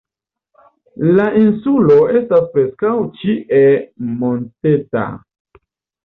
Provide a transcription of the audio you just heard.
La insulo estas preskaŭ ĉie monteta.